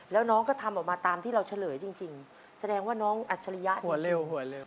แล้วน้องก็ทำออกมาตามที่เราเฉลยจริงแสดงว่าน้องแอทชาริยะจริง